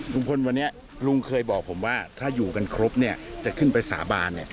ลุงพลวันนี้ลุงเคยบอกผมว่าถ้าอยู่กันครบจะขึ้นไปสาบาน